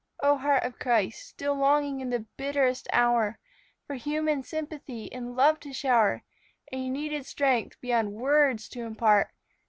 O heart Of Christ, still longing in the bitterest hour For human sympathy and love to shower A needed strength beyond words to impart!